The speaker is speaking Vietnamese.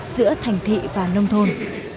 giữa thành thị và nông thôn